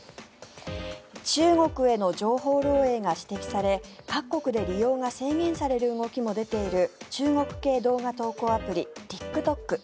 中国への情報漏えいが指摘され各国で利用が制限される動きも出ている中国系動画投稿アプリＴｉｋＴｏｋ。